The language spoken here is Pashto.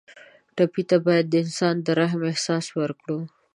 ټپي ته باید د انسان د رحم احساس ورکړو.